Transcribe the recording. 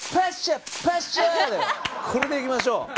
これでいきましょう！